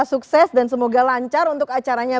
sukses dan semoga lancar untuk acaranya